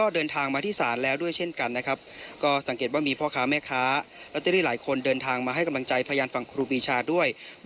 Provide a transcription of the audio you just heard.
เดินทางมาที่ศาลแล้วด้วยเช่นกันนะครับก็สังเกตว่ามีพ่อค้าแม่ค้าลอตเตอรี่หลายคนเดินทางมาให้กำลังใจพยานฝั่งครูปีชาด้วย